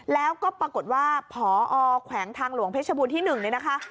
แล้วก็ปรากฏว่าพอแขวงทางหลวงเพชรบูรณที่๑เนี่ยนะคะ